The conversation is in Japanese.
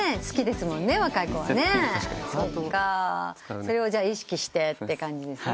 それを意識してって感じですね。